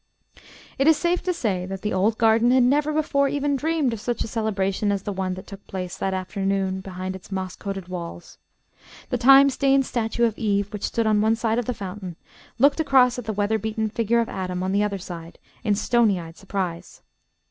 It is safe to say that the old garden had never before even dreamed of such a celebration as the one that took place that afternoon behind its moss coated walls. The time stained statue of Eve, which stood on one side of the fountain, looked across at the weather beaten figure of Adam, on the other side, in stony eyed surprise.